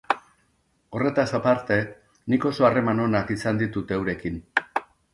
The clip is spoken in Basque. Horretaz aparte, nik oso harreman onak izan ditut eurekin.